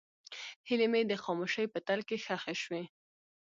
هیلې مې د خاموشۍ په تل کې ښخې شوې.